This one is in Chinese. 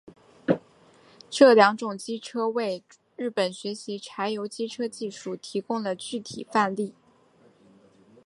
这两种机车为日本学习柴油机车技术提供了具体范例。